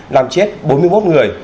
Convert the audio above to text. làm chết bốn mươi một người